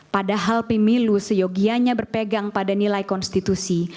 padahal pemilu seyogianya berpegang pada nilai konstitusi